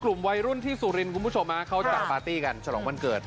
กลุ่มวัยรุ่นที่สุรินทร์คุณผู้ชมเขาจัดปาร์ตี้กันฉลองวันเกิด